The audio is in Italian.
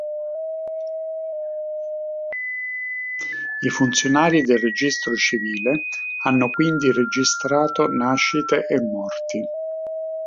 I funzionari del registro civile hanno quindi registrato nascite e morti.